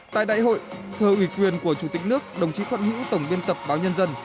tại đại hội thờ ủy quyền của chủ tịch nước đồng chí khoản hữu tổng viên tập báo nhân dân